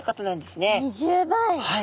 はい。